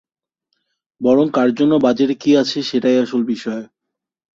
বরং কার জন্য বাজেটে কী আছে, সেটাই আসল বিষয়।